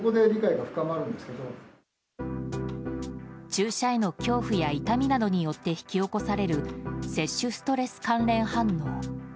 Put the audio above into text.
注射への恐怖や痛みなどによって引き起こされる接種ストレス関連反応。